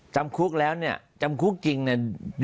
จำคุกแล้วเนี่ยจำคุกจริงเนี่ย